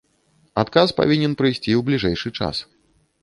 Адказ павінен прыйсці ў бліжэйшы час.